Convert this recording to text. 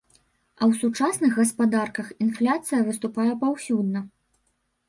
А ў сучасных гаспадарках інфляцыя выступае паўсюдна.